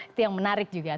itu yang menarik juga